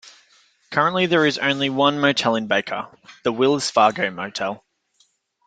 Currently there is only one motel in Baker, the Wills Fargo Motel.